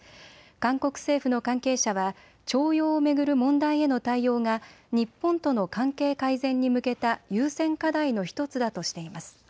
韓国政府の関係者は徴用を巡る問題への対応が日本との関係改善に向けた優先課題の１つだとしています。